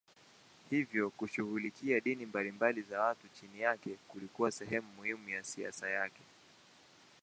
Hivyo kushughulikia dini mbalimbali za watu chini yake kulikuwa sehemu muhimu ya siasa yake.